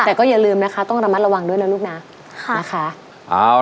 แต่ก็อย่าลืมนะคะต้องระมัดระวังด้วยนะลูกนะนะคะ